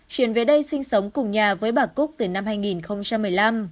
chuyển về đây sinh sống cùng nhà với bà cúc từ năm hai nghìn một mươi năm